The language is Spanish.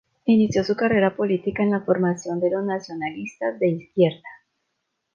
Inició su carrera política en la formación de los Nacionalistas de Izquierda.